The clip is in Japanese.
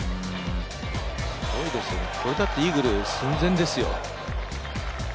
すごいですよ、これだってイーグル寸前ですよ。